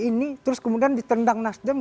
ini terus kemudian ditendang nasdem